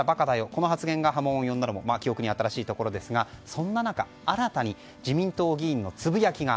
この発言が波紋を呼んだのも記憶に新しいところですがそんな中、新たに自民党議員のつぶやきが